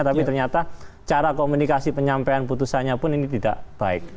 tapi ternyata cara komunikasi penyampaian putusannya pun ini tidak baik